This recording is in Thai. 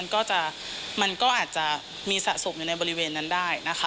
ก็จะมันก็อาจจะมีสะสมอยู่ในบริเวณนั้นได้นะคะ